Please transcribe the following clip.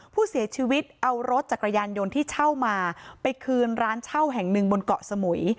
ผู้เสียชีวิตเอารถจักรยานยนต์ที่เช่ามาไปคืนร้านเช่าแห่งหนึ่งบนเกาะสมุย